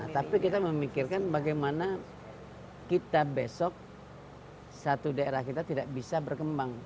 tapi kita memikirkan bagaimana kita besok satu daerah kita tidak bisa berkembang